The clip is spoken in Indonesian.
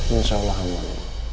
insya allah aman